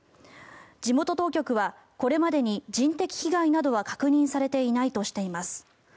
地元当局は、これまでに人的被害などは確認されていないとしています。